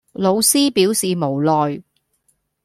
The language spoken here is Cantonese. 老師表示無奈